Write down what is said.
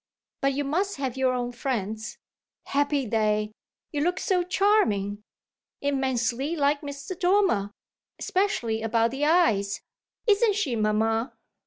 But you must have your own friends. Happy they you look so charming! Immensely like Mr. Dormer, especially about the eyes; isn't she, mamma?"